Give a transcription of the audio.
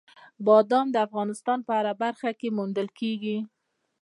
بادام د افغانستان په هره برخه کې موندل کېږي.